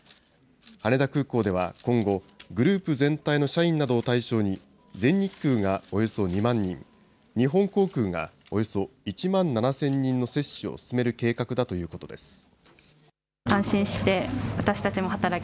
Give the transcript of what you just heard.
羽田空港では今後、グループ全体の社員などを対象に、全日空がおよそ２万人、日本航空がおよそ１万７０００人の接種を進める計画だということです。